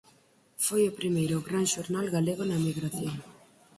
Foi o primeiro gran xornal galego na emigración.